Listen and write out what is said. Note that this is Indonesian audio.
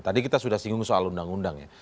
tadi kita sudah singgung soal undang undang ya